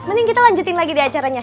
mending kita lanjutin lagi di acaranya